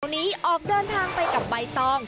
วันนี้ออกเดินทางไปกับใบตอง